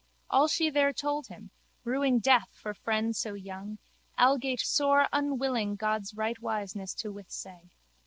All she there told him, ruing death for friend so young, algate sore unwilling God's rightwiseness to withsay.